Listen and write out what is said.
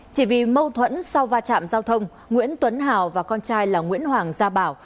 chỉ vì mâu thuẫn sau va chạm giao thông nguyễn tuấn hào và con trai là nguyễn hoàng gia bảo